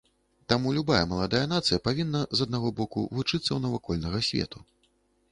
Таму любая маладая нацыя павінна, з аднаго боку, вучыцца ў навакольнага свету.